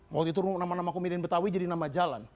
waktu itu nama nama komedian betawi jadi nama jalan